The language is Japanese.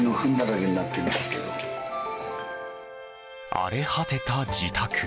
荒れ果てた自宅。